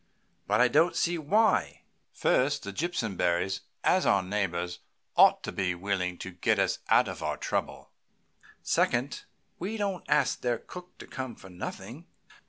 But I don't see why! First, the Jimpsonberrys, as our neighbors, ought to be willing to get us out of our trouble. Second, we don't ask their cook to come for nothing.